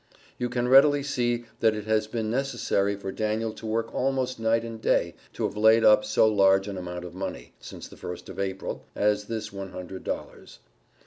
You can readily see that it has been necessary for Daniel to work almost night and day to have laid up so large an amount of money, since the first of April, as this one hundred dollars.